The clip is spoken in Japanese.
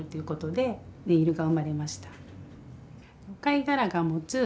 ネイルが生まれました。